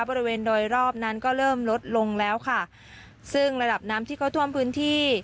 บริเวณโดยรอบนั้นก็เริ่มลดลงแล้วค่ะซึ่งระดับน้ำที่เขาท่วมพื้นที่